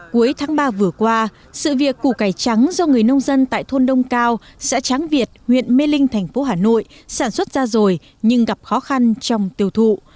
cuối tháng ba vừa qua sự việc củ cải trắng do người nông dân tại thôn đông cao xã tráng việt huyện mê linh thành phố hà nội sản xuất ra rồi nhưng gặp khó khăn trong tiêu thụ